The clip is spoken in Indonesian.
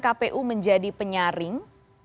kpu menjadi penyaring